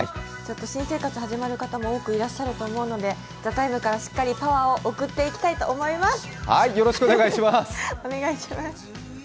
ちょっと新生活始まる方も多くいらっしゃると思うので「ＴＨＥＴＩＭＥ，」からしっかりパワーを送っていきたいと思いま